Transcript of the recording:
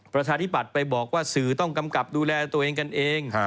ประชาธิบัติไปบอกว่าสื่อต้องกำกับดูแลตัวเองกันเอง